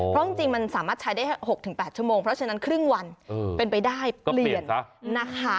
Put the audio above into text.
เพราะจริงมันสามารถใช้ได้๖๘ชั่วโมงเพราะฉะนั้นครึ่งวันเป็นไปได้เปลี่ยนนะคะ